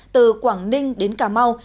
từ quảng ninh đến cà mau